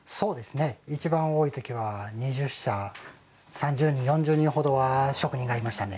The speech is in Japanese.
いちばん多いときは２０社３０人４０人ほどは職人がいましたね。